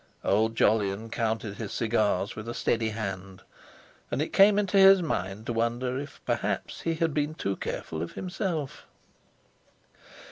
Old Jolyon counted his cigars with a steady hand, and it came into his mind to wonder if perhaps he had been too careful of himself.